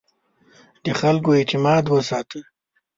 د خلکو اعتماد وساته.